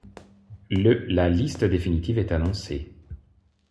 Le la liste définitive est annoncée.